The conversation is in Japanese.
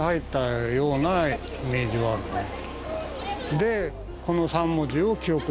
で。